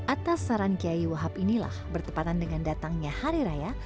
atas saran kiai wahab inilah bertepatan dengan datangnya hari raya